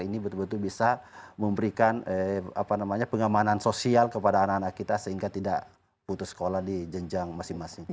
ini betul betul bisa memberikan pengamanan sosial kepada anak anak kita sehingga tidak putus sekolah di jenjang masing masing